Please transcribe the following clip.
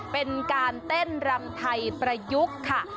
เป็นการเต้นรำไทยประยุกต์ค่ะ